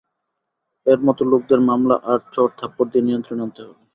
এর মতো লোকদের মামলা আর চড়-থাপ্পড় দিয়ে নিয়ন্ত্রণে আনতে হবে।